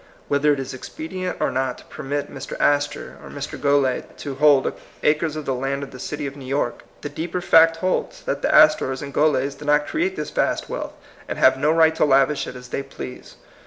Whether it is expedient or not to permit Mr. Astor or Mr. Goelet to hold acres of the land of the city of New York, the deeper fact holds, that the Astors and Goelets did not create this vast wealth, and have no right to lavish it as they please.